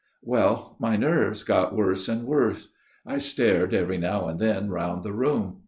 " Well ; my nerves got worse and worse. I stared every now and then round the room.